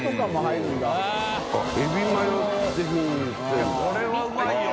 いやこれはうまいよ。